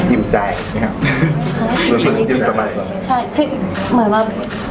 อิ่มใจไหมคะสรุปอิ่มสมัย